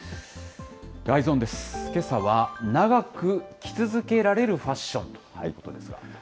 けさは、長く着続けられるファッションということですが。